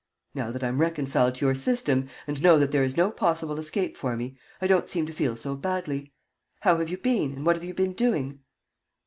"Now that I'm reconciled to your system, and know that there is no possible escape for me, I don't seem to feel so badly. How have you been, and what have you been doing?"